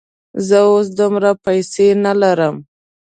زه اوس دومره پیسې نه لرم.